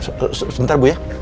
sebentar bu ya